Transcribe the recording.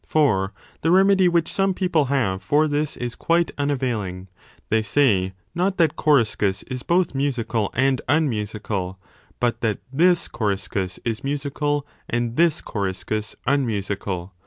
For the remedy which some people have for this is quite unavailing. They say, not that Coriscus is both musical and unmusical, but that this Coriscus is musical 20 and this Coriscus unmusical.